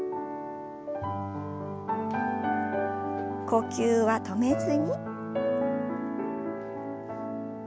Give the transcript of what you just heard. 呼吸は止めずに。